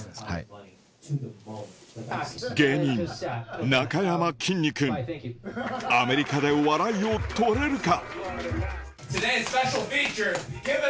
芸人なかやまきんに君アメリカで笑いを取れるか？